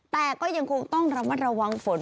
แต่ก็ยังคงต้องระมัดระวังฝน